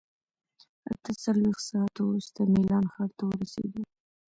اته څلوېښت ساعته وروسته میلان ښار ته ورسېدو.